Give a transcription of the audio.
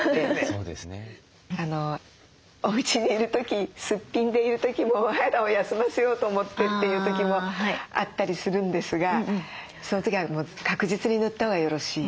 おうちにいる時スッピンでいる時もお肌を休ませようと思ってという時もあったりするんですがその時はもう確実に塗ったほうがよろしい？